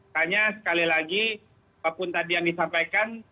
hanya sekali lagi apapun tadi yang disampaikan